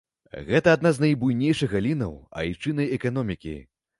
Гэта адна з найбуйнейшых галінаў айчыннай эканомікі.